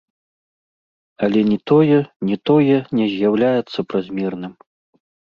Але ні тое, ні тое не з'яўляецца празмерным.